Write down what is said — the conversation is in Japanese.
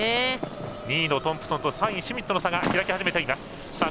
２位のトンプソンと３位シュミットの差が開き始めています。